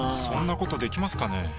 そんなことできますかね？